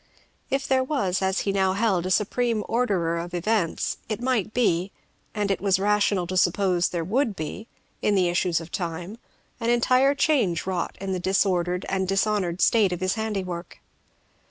If there was, as he now held, a Supreme Orderer of events, it might be, and it was rational to suppose there would be, in the issues of time, an entire change wrought in the disordered and dishonoured state of his handiwork.